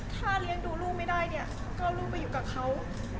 ถ้าเลี้ยงดูลูกไม่ได้เนี่ยก็เอาลูกไปอยู่กับเขา